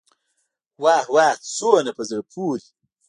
واه واه څومره په زړه پوري.